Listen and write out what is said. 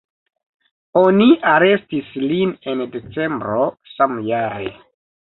Oni arestis lin en decembro samjare.